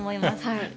はい。